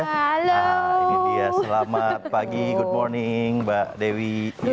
nah ini dia selamat pagi good morning mbak dewi